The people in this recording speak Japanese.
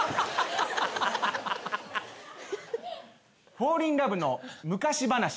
フォーリンラブの昔話。